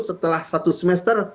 setelah satu semester